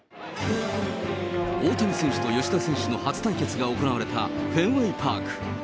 大谷選手と吉田選手の初対決が行われたフェンウェイ・パーク。